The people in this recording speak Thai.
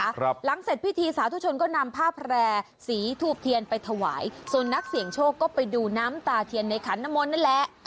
หลังเสร็จพิธีสาธุชนก็นำผ้าแพร่สีทูบเทียนไปถวายส่วนนักเสี่ยงโชคก็ไปดูน้ำตาเทียนในขันนมนต์นั่นแหละ